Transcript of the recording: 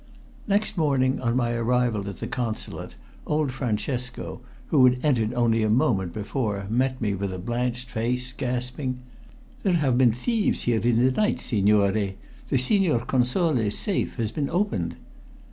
Next morning, on my arrival at the Consulate, old Francesco, who had entered only a moment before, met me with blanched face, gasping "There have been thieves here in the night, signore! The Signor Console's safe has been opened!"